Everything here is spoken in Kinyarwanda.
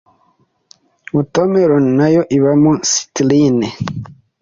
Watermelon nayo ibamo citrulline